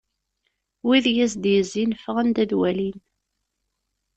Wid i as-d-yezzin ffɣen-d ad walin.